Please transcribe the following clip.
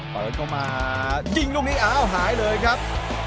เปิดเข้ามายิงลูกนี้อ้าวหายเลยครับ